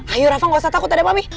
ayo rafa gak usah takut ada mami